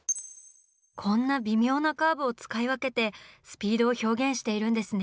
こんな微妙なカーブを使い分けてスピードを表現しているんですね。